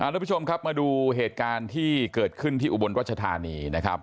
ทุกผู้ชมครับมาดูเหตุการณ์ที่เกิดขึ้นที่อุบลรัชธานีนะครับ